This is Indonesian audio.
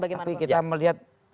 bagaimana pak tapi kita melihat